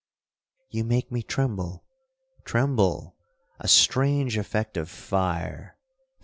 '—'You make me tremble!'—'Tremble!—a strange effect of fire.